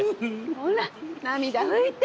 ほら涙拭いて！